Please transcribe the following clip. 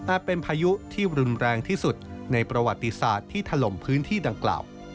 เป็นพายุที่รุนแรงที่สุดในประวัติศาสตร์ที่ถล่มพื้นที่ดังกล่าว